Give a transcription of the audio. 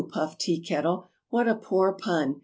puffed Tea Kettle, "What a poor pun!